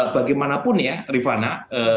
bagaimanapun ya rifana